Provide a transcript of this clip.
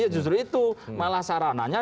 justru itu malah sarananya